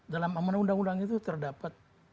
dalam aman undang undang itu terdapat